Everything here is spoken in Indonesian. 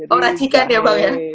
oh racikan ya bang